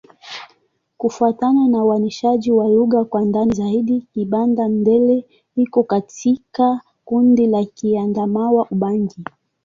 Kufuatana na uainishaji wa lugha kwa ndani zaidi, Kibanda-Ndele iko katika kundi la Kiadamawa-Ubangi.